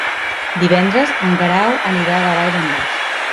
Divendres en Guerau anirà a la Vall d'en Bas.